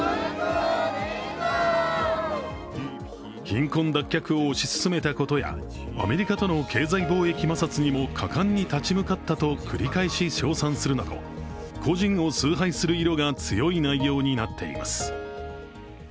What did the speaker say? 貧困脱却を推し進めたことやアメリカとの経済貿易摩擦にも果敢に立ち向かったと繰り返し称賛するなど個人を崇拝する色が強い内容になっています。